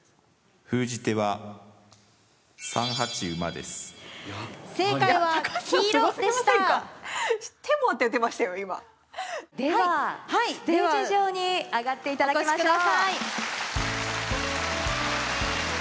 ではステージ上に上がっていただきましょう。